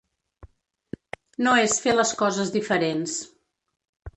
No és fer les coses diferents.